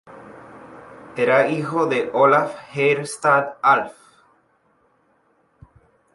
Era hijo de Olaf Geirstad-Alf.